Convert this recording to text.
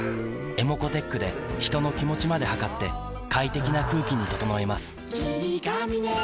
ｅｍｏｃｏーｔｅｃｈで人の気持ちまで測って快適な空気に整えます